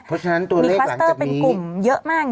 เพราะฉะนั้นตัวเลขหลังจากนี้มีคลัสเตอร์เป็นกลุ่มเยอะมากจริง